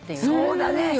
そうだね。